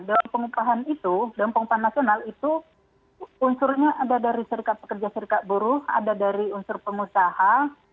dalam pengupahan itu dewan pengupahan nasional itu unsurnya ada dari serikat pekerja serikat buruh ada dari unsur pengusaha